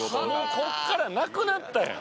こっからなくなったやん。